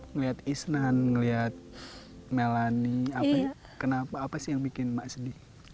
ngeliat isnan ngeliat melani apa kenapa apa sih yang bikin mak sedih